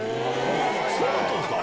そうだったんすか！